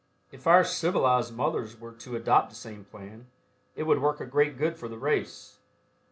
If our civilized mothers were to adopt the same plan, it would work a great good for the race.